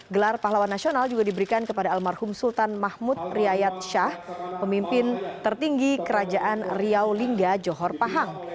gelar pahlawan nasional juga diberikan kepada almarhum sultan mahmud riyad shah pemimpin tertinggi kerajaan riau lingga johor pahang